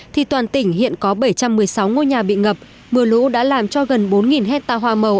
thì toàn tỉnh hiện có bảy trăm một mươi sáu ngôi nhà bị ngập mưa lũ đã làm cho gần bốn hectare hoa màu